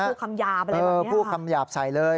ผู้คำหยาบอะไรแบบนี้ครับครับผู้คำหยาบใส่เลย